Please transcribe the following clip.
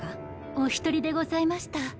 お１人でございました。